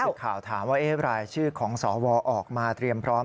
อาทิตย์สิทธิ์ข่าวถามว่ารายชื่อของสวออกมาเตรียมพร้อม